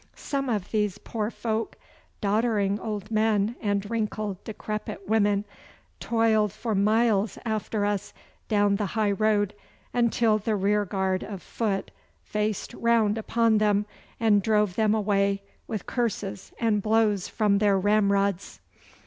Some of these poor folk, doddering old men and wrinkled, decrepit women, toiled for miles after us down the high road, until the rearguard of foot faced round upon them, and drove them away with curses and blows from their ramrods.